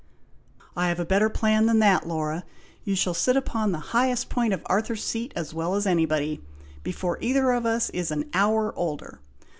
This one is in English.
"I have a better plan than that, Laura! you shall sit upon the highest point of Arthur's Seat as well as anybody, before either of us is an hour older!